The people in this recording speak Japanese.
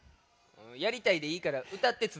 やりたいでいいからうたってつづき。